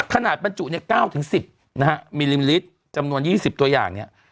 ขนาดปัญจุเนี่ย๙๑๐มิลลิตรจำนวน๒๐ตัวอย่างเนี่ย